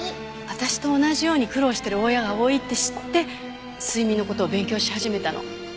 私と同じように苦労してる親が多いって知って睡眠の事を勉強し始めたの。